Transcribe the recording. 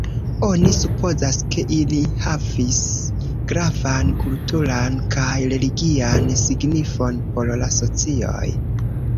Oni supozas, ke ili havis gravan kulturan kaj religian signifon por la socioj.